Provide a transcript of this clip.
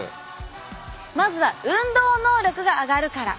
まずは「運動能力が上がる」から。